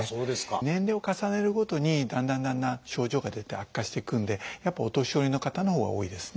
年齢を重ねるごとにだんだんだんだん症状が出て悪化していくんでやっぱりお年寄りの方のほうが多いですね。